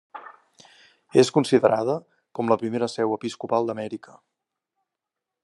És considerada com la primera seu episcopal d'Amèrica.